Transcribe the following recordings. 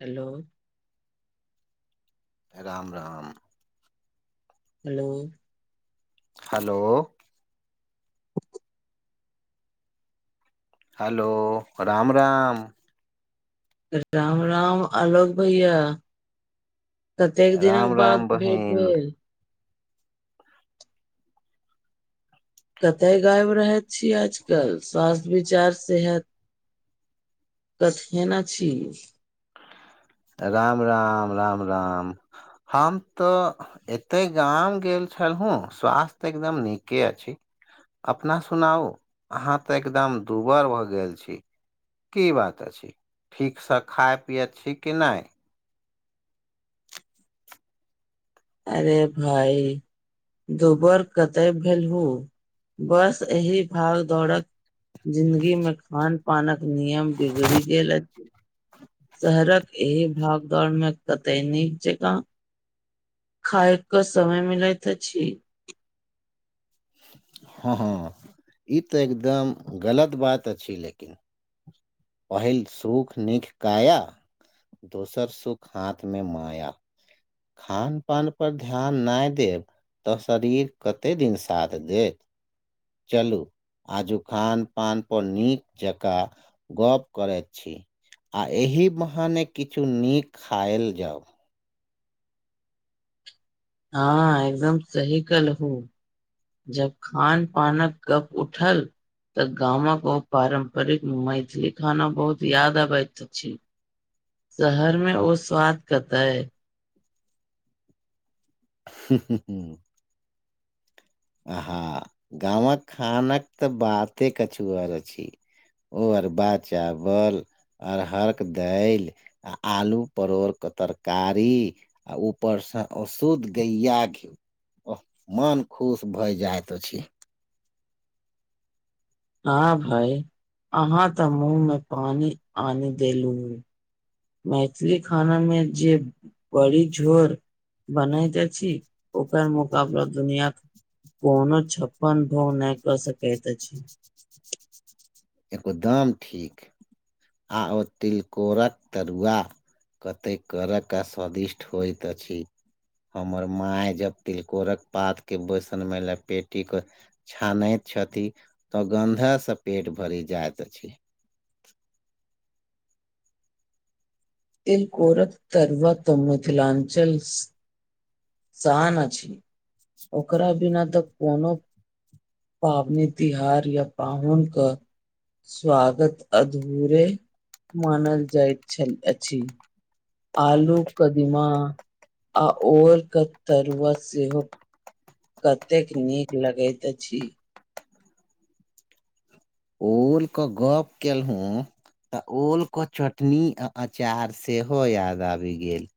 Hello! Ram! Ram. Hello! Hello! Hello! Ram, Ram. Ram! Ram! Alok भैया। कतेक राम दिनक बाद राम भेट बहिन भेल? कतय गायब रहेत छी आजकल, स्वास्थ्य विचार सेहत कछि [unintelligible] आना छी राम, राम, राम, राम, हम तऽ। एते गाम गेल छलहुँ, स्वास्थ्य एकदम नीके अछि। अपना सुनाउ, अहाँ तऽ एकदम दुबर भऽ गेल छी। की बात अछि, ठीकसँ खाय पियैत छी कि नैह? अरे भाई! दुबर कतय भेलहु, बस एहि भाग दौड़क जिन्दगी मे खान -पानक नियम बिगड़ि गेल अछि। शहरक एहि भागदौड़मे कते नीक जकाँ खायके समय मिलैत अछी। हँ, हँ, ई तऽ एकदम गलत बात अछि, लेकिन। पहिल सुख नीख काया, दोसर सुख हाथ में माया। खान -पान पर ध्यान नैह देब। तऽ शरीर कते दिन साथ देत। चलु आजु खान- पान पर नीक जकाँ गोप करय छी, आ एहि बहाने किछु नीक खायल जाउ। हँ, एकदम सही कलहु। जब खान- पानक गप उठल। तऽ गामक ओ पारम्परिक मैथिली खाना, बहुत याद अबैत अछि। शहर में ओ स्वाद कतह। हूं हूं, आहा, गावक खानक तऽ बाते कछुआर अछि। ओ अरबा चावल, अरहरक दायल। आ आलू परोड़के तरकारी। आ ऊपर स शुद्ध गैया घी, ओह मन खु खुश भए जाइत अछी। हँ भाय, अहाँ ते मुँह में पानी आनी देलू। मैथिली खाना मे जे, बड़ी झोर बनैत अछि। ओकर मुकाबला, दुनियाक कोनो छप्पन भोग नहि क सकैत अछि। एगो दाम ठीक आ ओ तिलकोरक तरुआ कते करय क स्वादिष्ट होइत अछि। हमर माय जब तिलकोरक पात के बैसन मे लेपेटी क छानैत छथि तऽ गन्धा से पेट भरि जाइत अछि। तिलकोरक तरूवा त मिथलांचल शान अछि, ओकरा बिना तऽ कोनो पावनि तिहार या पाहुन क स्वागत अधूरे मानल जाइत छैन अछि। आलू कदिमा आ ओल क तरुआ सेहो कतेक नीक लगैत अछि। ओलके गप केलहुँ। तऽ ओल के चटनी आ अचार सेहो याद आबि गेल।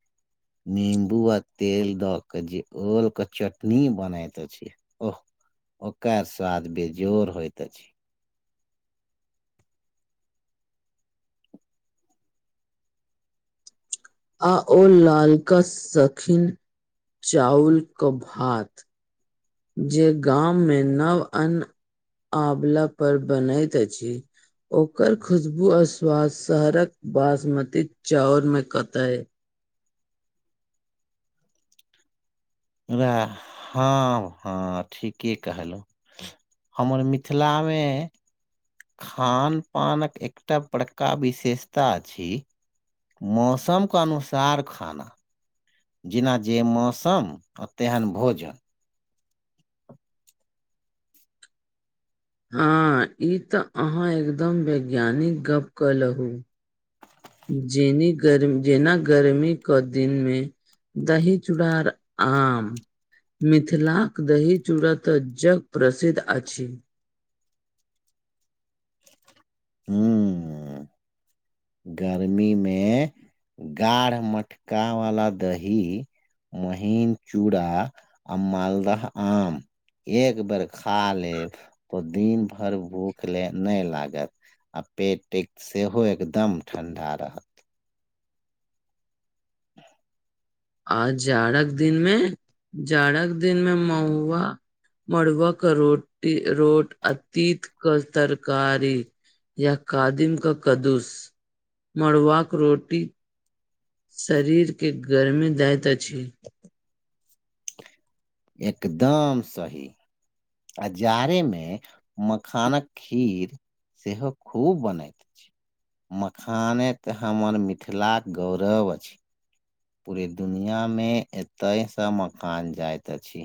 निंबू आ तेल द के जे ओल के चटनी बनैत अछि। ओह ओकर स्वाद बेजोर होइत अछि। आ ओ लालका सखीन चाउर के भात। जे गाममे नव अन्न आवला पर बनैत अछि। ओकर खुशबू आ स्वाद शहरक बासमती चाउर में कते। उए हँ हँ ठीके कहलुँ। हमर मिथिला मे। खान पानक एकटा बड़का विशेषता अछि। मौसमके अनुसार खाना। जेना जे मौसम आ तेहन भोजन। हँ ई तऽ अहाँ एकदम वैज्ञानिक गप कलहू। जेनी गर्म जेना गर्मी क दिनमे दही चूड़ा और आम मिथिलाक दही चूड़ा त जग प्रसिद्ध अछि। हूँ। गर्मी मे गाढ़ मटका वाला दही। महीन चूड़ा आ मालदह आम एक बेर खा लेब त दिन भइर भूख ले नै लागत। आ पेट त सेहो एकदम ठंडा रहत। आ जाड़क दिनमे जाड़क दिनमे महुआ मरूआ क रोटी रोट अ तित क तरकारी या कादिम का कद्दूस मरूआक रोटी शरीरके गर्मी दइत अछि। एकदम सही। आ जाड़े मे मखानक खीर सेहो खुब बनैत अछि। मखाने त हमर मिथिलाक गौरव अछि। पूरे दुनिया में एते स मखान जाइत अछि।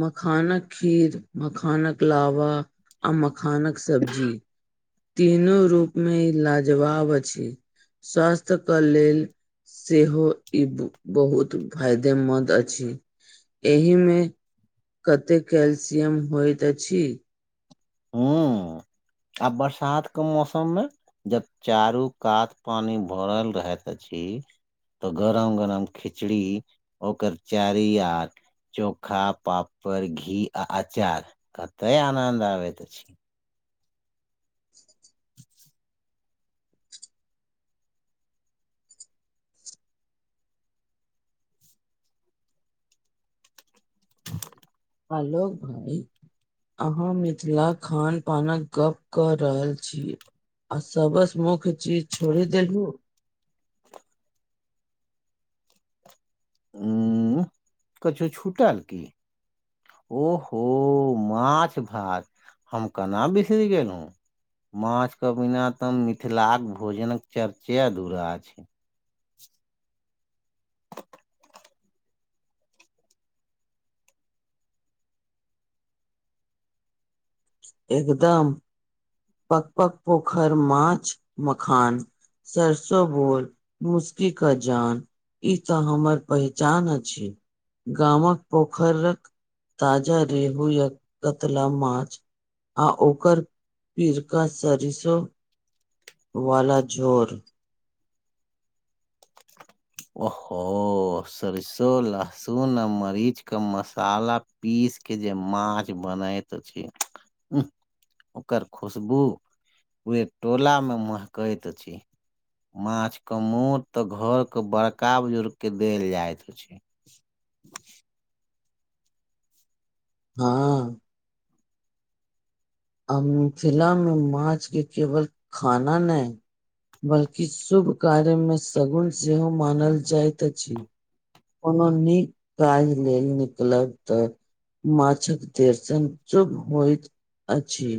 मखानक खीर, मखानक लावा आ मखानक सब्जी तीनो रूप मे ई लाजवाब अछि स्वास्थ्य के लेल। सेहो ई बहुत फायदेमन्द अछि एहि मे कतेक कैल्सियम होइत अछि। हूँ आ बरसात के मौसम मे जब चारू कात पानि भरल रहैत अछि। तऽ गरम गरम खिचड़ी ओकर चारि यार। चोखा पापड़ घी आ अचार कते आनद आबैत अछि। आलोक भइ। अहाँ मिथिला खान पानक गप कऽ रहल छी। आ सबस मुख चीज छोड़ी देलहु। त। [unintelligible] ह कछो छुटल की। ओहो माछ भात हम केना बिसरि गेलहुँ। माछ के बिना ते मिथिलाक भोजनक चर्चे अधूरा अछि। एकदम। पक पक पोखर माछ मखान। सरसो बोल मुसकी का जान। ई तऽ हमर पहचान अछि गामक पोखरक। ताजा रेहू या कतला माछ आ ओकर। पिरका सरिसो वाला झोर। ओहो सरिसो लहसुन आ मरीच का मसाला। पीस के जे माँछ बनइत छै ह। ओकर खुशबू ओ टोला मे महकैत अछि। माछ के मोत तऽ घर के बड़का बुजुर्ग के देल जायइत हो छै। हँ। हम फिलम में माछ के केवल खाना नय। बल्कि शुभ कार्यमे सगुण सेहो मानल जाइत अछि। कोनो नीक काज लेल निकलब तऽ। माछक दर्शन चुप होइतइत अछि।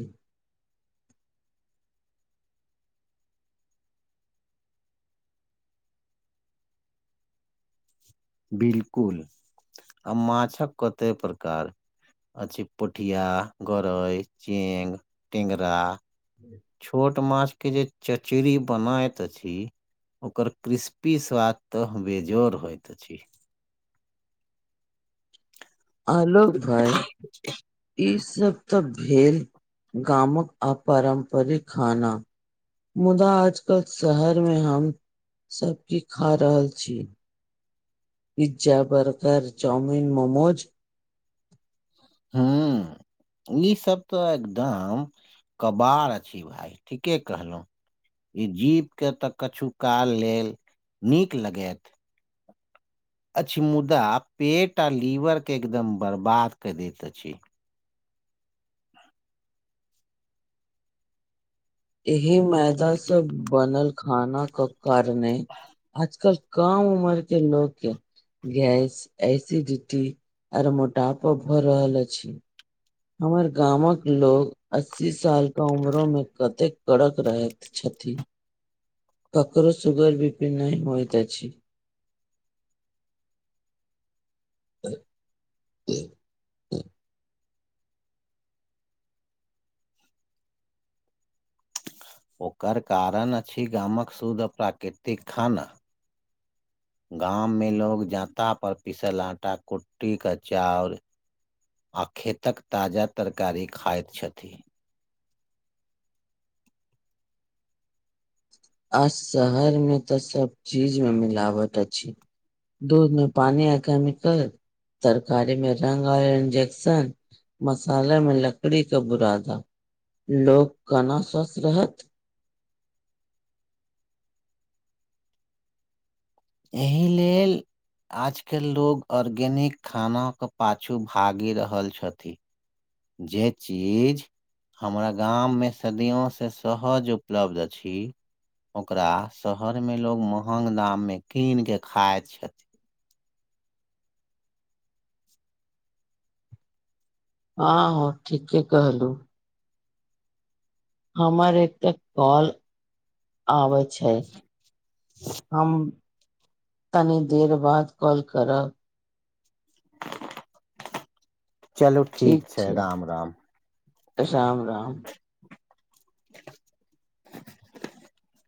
बिलकुल आ माछक कते प्रकार। अ छै पोठिया गरै चेंग टेंगरा। ह। छोट माछ के जे चचरी बनाैत अछि। ओकर क्रिस्पी स्वाद तऽ बेजोड़ होइत अछि। आलोक भाइ। ई सब तऽ भेल गामक अपारम्परिक खाना। मुदा आजकल शहर में हम सबकीछ खा रहल छी। Pizza burger chowmein momos. हँ। ई सब तऽ एकदम कबाड अछि भाय ठीके कहलहुं। ई जीभ के तऽ किछु काल लेल नीक लगत। अछि मुदा पेट आ लीवरके एकदम बर्बाद क दैत अछि। यह मै मैदा सब बनल खाना क कारणे आजकल। कम उमर के लोकके। गैस एसिडिटी आर मोटापा भ रहल अछि। हमर गामक लोग अस्सी साल का उम्रो में कते कड़क रहे। ककरो सुगर बि पि नइ होइत अछि। ह्म्म। [inaudible] ओकर कारण अछि गामक शुद्ध प्राकृतिक खाना। [inaudible] गामं में लोग जाँता पर पिसल आटा, कुट्टी के चाउर आ खेतक ताजा तरकारी खाइत छथि। आ शहर में तऽ सब चीज में मिलावट अछि। दूध मे पानी आ केमिकल, तरकारी मे रंग आ इंजेक्शन मसाले में लकड़ी क बुरादा लोग केना स्वस्थ रहत। एहि लेल आजकल लोको आर्गेनिक खानाके पाछू भागि रहल छथि। जे चीज हमरा गाममे सदियोसँ सहज उपलब्ध अछि। ओकरा शहर में लोग महंग दाम मे कीन के खाइत छथि। हँ हँ ठीके कहलु। हमर एक त कॉल आबैत छैय, हम तनी देर बाद कॉल करब। चलू ठीक छैय राम-राम। राम-राम। [inaudible]